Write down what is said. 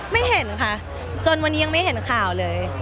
ไม่เห็นค่ะจนวันนี้ยังไม่เห็นข่าวเลย